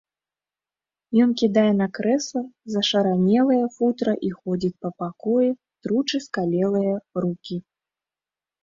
Ён кідае на крэсла зашаранелае футра і ходзіць па пакоі, тручы скалелыя рукі.